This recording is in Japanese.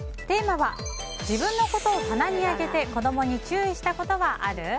テーマは自分のことを棚にあげて子供に注意したことはある？